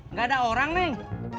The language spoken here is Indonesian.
gak ada orang nih